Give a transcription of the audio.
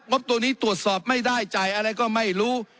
บตัวนี้ตรวจสอบไม่ได้จ่ายอะไรก็ไม่รู้